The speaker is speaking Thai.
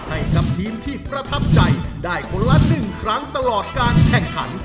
ให้กับทีมที่ประทับใจได้คนละ๑ครั้งตลอดการแข่งขัน